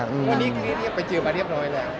คุณนี่ก็เรียบร้อยแล้วครับ